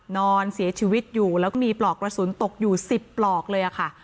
นอนเสียชีวิตอยู่แล้วมีปรอกรสุนตกอยู่สิบปลอกเลยอ่ะค่ะ